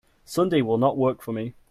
Sunday will not work for me.